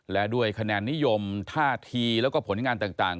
และด้วยคะแนนนิยมท่าทีแล้วก็ผลงานต่าง